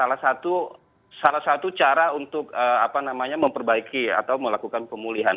salah satu cara untuk memperbaiki atau melakukan pemulihan